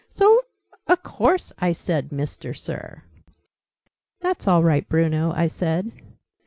So a course I said 'Mister Sir'!" "That's all right, Bruno," I said.